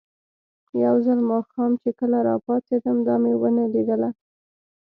یو ځل ماښام چې کله راپاڅېدم، دا مې ونه لیدله.